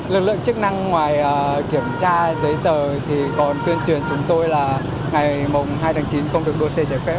lực lượng chức năng ngoài kiểm tra giấy tờ thì còn tuyên truyền chúng tôi là ngày mùng hai tháng chín không được đô xe chạy phép